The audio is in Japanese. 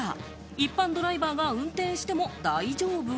一般ドライバーが運転しても大丈夫？